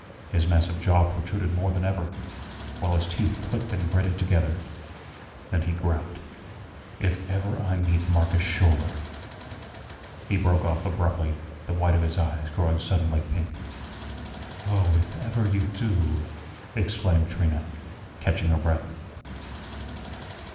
His massive jaw protruded more than ever, while his teeth clicked and grated together; then he growled: "If ever I meet Marcus Schouler " he broke off abruptly, the white of his eyes growing suddenly pink. "Oh, if ever you DO," exclaimed Trina, catching her breath.